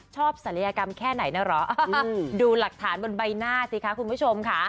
ศัลยกรรมแค่ไหนนะเหรอดูหลักฐานบนใบหน้าสิคะคุณผู้ชมค่ะ